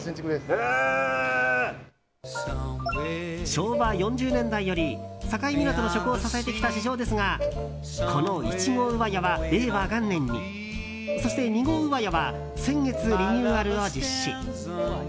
昭和４０年代より境港の食を支えてきた市場ですがこの１号上屋は令和元年にそして２号上屋は先月リニューアルを実施。